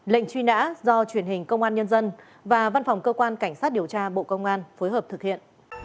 lệnh truy nã do truyền hình công an nhân dân và văn phòng cơ quan cảnh sát điều tra bộ công an phối hợp thực hiện